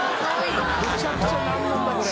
めちゃくちゃ難問だこれ。